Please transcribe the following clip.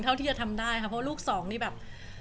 เท่าที่จะทำได้ค่ะเพราะลูกสองนี่แบบ